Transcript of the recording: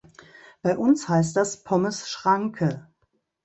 Bei uns heißt das Pommes Schranke.